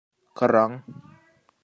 Ka raang.